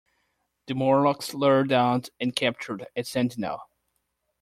The Morlocks lured out and captured a Sentinel.